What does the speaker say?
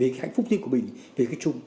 cái hạnh phúc riêng của mình về cái chúng